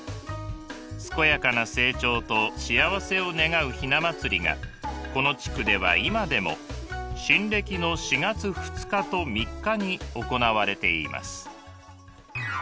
健やかな成長と幸せを願う雛祭りがこの地区では今でも新暦の４月２日と３日に行われています。